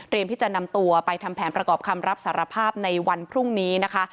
ที่จะนำตัวไปทำแผนประกอบคำรับสารภาพในวันพรุ่งนี้นะคะ